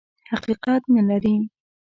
حقیقت نه لري.